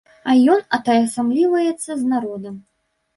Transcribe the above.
А ён атаясамліваецца з народам.